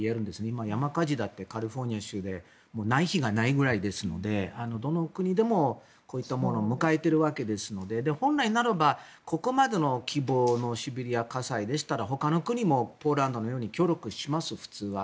今、山火事だってカリフォルニア州でない日がないくらいですのでどの国でもこういったものを迎えているわけですので本来ならばここまでの規模のシベリア火災ならばほかの国もポーランドのように協力します、普通は。